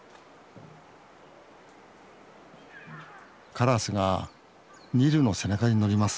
カラスがニルの背中に乗ります。